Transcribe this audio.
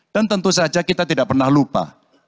dan tentu saja kita tidak pernah lupa